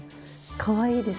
かわいいです。